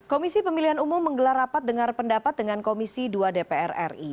komisi pemilihan umum menggelar rapat dengar pendapat dengan komisi dua dpr ri